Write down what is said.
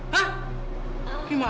besar dulu mak